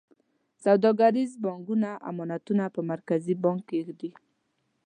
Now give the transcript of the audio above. سوداګریز بانکونه امانتونه په مرکزي بانک کې ږدي.